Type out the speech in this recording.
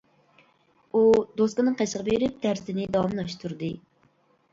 ئۇ دوسكىنىڭ قېشىغا بېرىپ دەرسىنى داۋاملاشتۇردى.